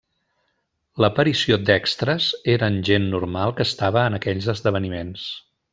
L'aparició d'extres eren gent normal que estava en aquells esdeveniments.